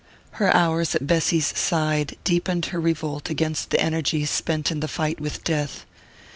Her hours at Bessy's side deepened her revolt against the energy spent in the fight with death.